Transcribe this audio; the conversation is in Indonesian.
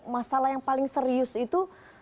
masalah yang paling serius itu